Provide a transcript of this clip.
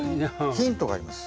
ヒントがあります。